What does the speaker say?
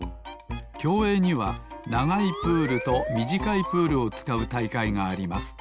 きょうえいにはながいプールとみじかいプールをつかうたいかいがあります